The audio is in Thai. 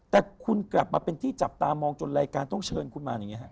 แต่คุณกลับมาเป็นที่จับตามองจนรายการต้องเชิญคุณมาอย่างนี้ฮะ